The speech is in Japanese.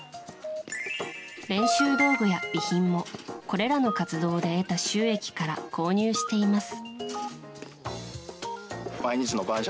練習道具や備品もこれらの活動で得た収益から購入しています。